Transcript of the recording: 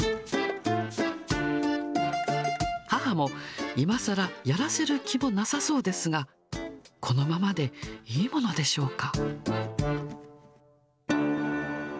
母もいまさらやらせる気もなさそうですが、このままでいいものでしょうか。